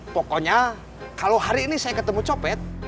pokoknya kalau hari ini saya ketemu copet